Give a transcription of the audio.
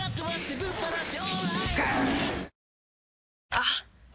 あっ！